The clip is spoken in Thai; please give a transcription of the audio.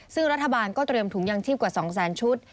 ซึ่งรัฐบาลก็เตรียมถุงยางชีพกว่า๒แสนชุด